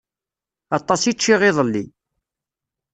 Aṭas i ččiɣ iḍelli.